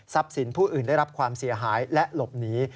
สินผู้อื่นได้รับความเสียหายและหลบหนี